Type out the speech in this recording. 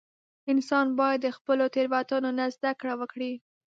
• انسان باید د خپلو تېروتنو نه زده کړه وکړي.